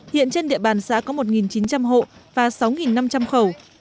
hiện trên địa bàn xã có một chín trăm linh hộ và sáu năm trăm linh khẩu